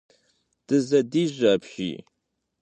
Дызэдижьэ апщий!